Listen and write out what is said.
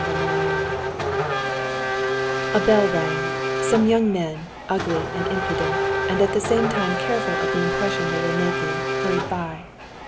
Chapter 31 A bell rang, some young men, ugly and impudent, and at the same time careful of the impression they were making, hurried by.